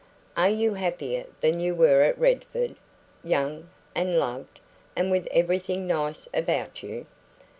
"Are you happier than you were at Redford young, and loved, and with everything nice about you